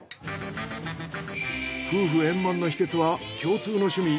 夫婦円満の秘訣は共通の趣味。